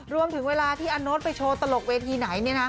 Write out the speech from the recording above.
รวมถึงเวลาที่อาโน๊ตไปโชว์ตลกเวทีไหนเนี่ยนะ